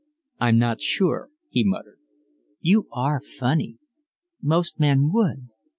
"I'm not sure," he muttered. "You are funny. Most men would."